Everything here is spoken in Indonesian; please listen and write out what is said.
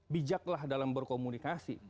bijaklah dalam berkomunikasi